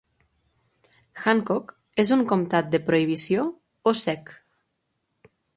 Hancock és un comtat de prohibició, o "sec".